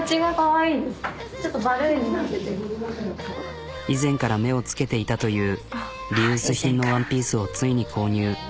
ちょっと以前から目を付けていたというリユース品のワンピースをついに購入。